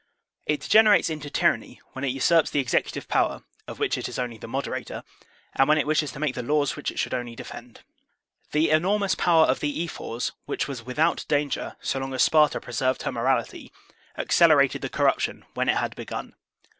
It degenerates into tyranny when it usurps the execu tive power, of which it is only the moderator, and when ao9) no THE SOCIAL CONTRACT it wishes to make the laws which it should only defend The enormons power of the ephors, which was without danger so long as Sparta preserved her morality, accel erated the corruption when it had begun.